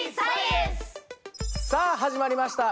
さあ始まりました。